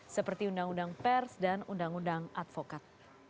seperti undang undang pers dan undang undang advokat